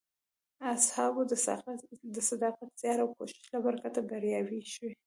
اصحابو د صداقت، زیار او کوښښ له برکته بریاوې شوې.